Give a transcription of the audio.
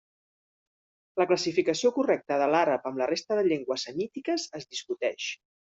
La classificació correcta de l'àrab amb la resta de llengües semítiques es discuteix.